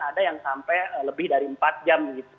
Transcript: ada yang sampai lebih dari empat jam gitu